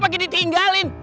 pak kidul tinggalin